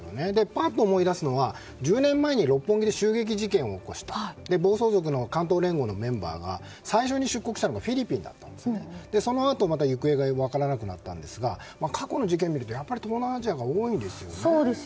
ぱっと思い出すのは１０年前に六本木で襲撃事件を起こした暴走族の関東連合のメンバーが最初に出国したのがフィリピンでそのあとまた行方が分からなくなったんですが過去の事件を見るとやっぱり東南アジアが多いんですね。